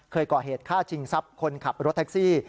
เคยก่อเหตุฆ่าชิงทรัพย์คนขับรถแท็กซี่